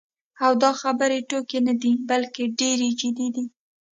او دا خبرې ټوکې نه دي، بلکې ډېرې جدي دي.